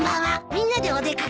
みんなでお出掛け？